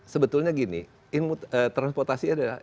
sebetulnya gini transportasi adalah